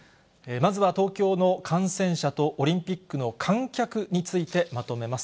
まずは東京の感染者と、オリンピックの観客についてまとめます。